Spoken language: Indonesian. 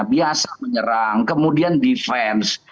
biasa menyerang kemudian defense